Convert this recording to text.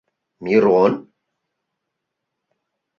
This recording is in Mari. Мирон?